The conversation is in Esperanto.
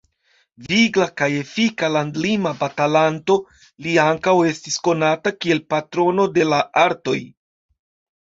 Vigla kaj efika landlima batalanto, li ankaŭ estis konata kiel patrono de la artoj.